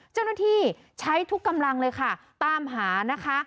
เจ้าหน้าที่ใช้ทุกกำลังเลยค่ะตามหานะคะ